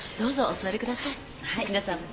皆さんも。